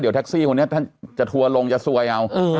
เดี๋ยวแท็กซี่คนนี้ท่านจะทัวร์ลงจะซวยเอา